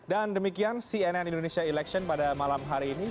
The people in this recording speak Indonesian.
dan demikian cnn indonesia election pada malam hari ini